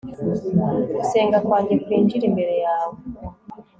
gusenga kwanjye kwinjire imbere yawe